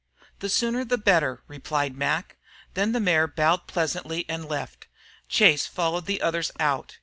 "The sooner the better," replied Mac. Then the mayor bowed pleasantly and left. Chase followed the others out.